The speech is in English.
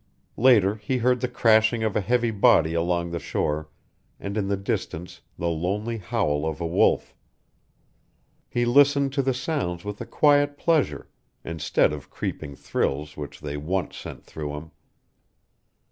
Later he heard the crashing of a heavy body along the shore and in the distance the lonely howl of a wolf. He listened to the sounds with a quiet pleasure instead of creeping thrills which they once sent through him.